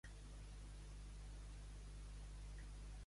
Per tant, es classifica com una aldohexosa.